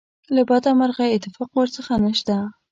له بده مرغه اتفاق ورڅخه نشته.